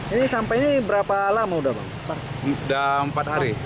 ini sampai ini berapa lama sudah bang